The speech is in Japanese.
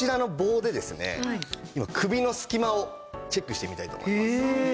首の隙間をチェックしてみたいと思います。